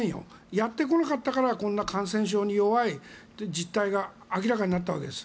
やってこなかったからこんな感染症に弱い実態が明らかになったわけです。